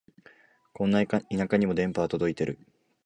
こんな田舎にも電波は届いてる